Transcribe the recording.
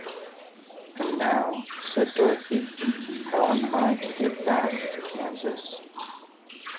"And now," said Dorothy, "how am I to get back to Kansas?"